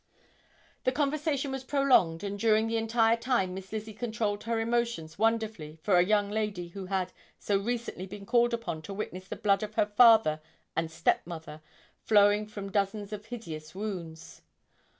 The conversation was prolonged and during the entire time Miss Lizzie controlled her emotions wonderfully for a young lady who had so recently been called upon to witness the blood of her father and step mother flowing from dozens of hideous wounds.